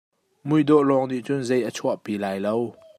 Muidawh lawng nih cun zei a chuahpi lai lo.